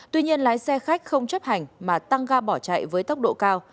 tuy nhiên lái xe khách không chấp hành mà tăng ga bỏ chạy với tốc độ cao